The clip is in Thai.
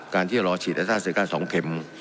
การที่จะล้อฉีดอัสตาร์จีสเซอริกาสองเข็ม